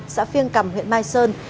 xã phiêng cầm huyện mai sơn